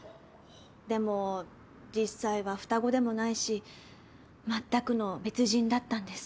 でも実際は双子でもないしまったくの別人だったんです。